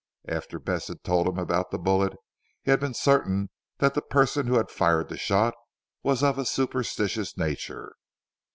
After Bess had told him about the bullet, he had been certain that the person who had fired the shot, was of a superstitious nature.